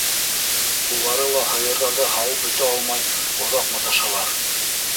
Улары ла һыйырҙарҙы һауып бөтә алмай оҙаҡ маташалар.